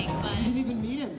saya tidak pernah bertemu dia